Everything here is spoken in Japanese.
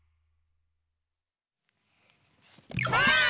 ばあっ！